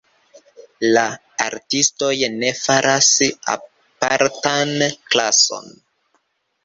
La artistoj ne faras apartan klason.